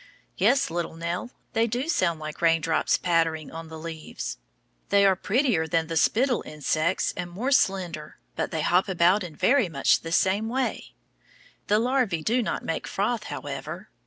Yes, little Nell, they do sound like rain drops pattering on the leaves. They are prettier than the spittle insects and more slender, but they hop about in very much the same way. The larvæ do not make froth, however.